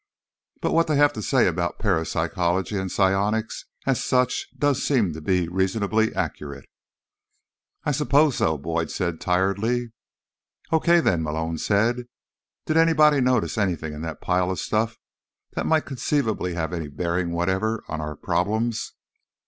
But what they have to say about parapsychology and psionics as such does seem to be reasonably accurate." "I suppose so," Boyd said tiredly. "Okay, then," Malone said. "Did anybody notice anything in that pile of stuff that might conceivably have any bearing whatever on our problems?"